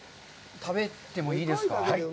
食べてもいいですか？